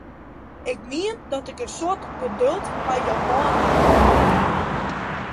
Ik mien dat ik in soad geduld mei jo hân ha!